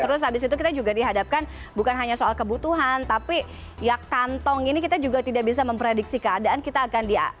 terus habis itu kita juga dihadapkan bukan hanya soal kebutuhan tapi ya kantong ini kita juga tidak bisa memprediksi keadaan kita akan di